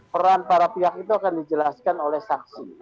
peran para pihak itu akan dijelaskan oleh saksi